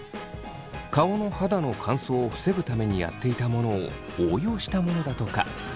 顔の肌の乾燥を防ぐためにやっていたものを応用したものだとか。